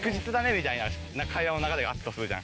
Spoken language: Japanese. みたいな会話の流れがあったとするじゃん。